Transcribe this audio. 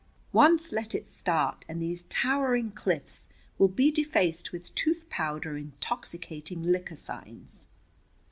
Once let it start, and these towering cliffs will be defaced with toothpowder and intoxicating liquor signs."